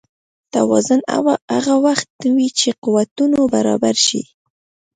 توازن هغه وخت وي چې قوتونه برابر شي.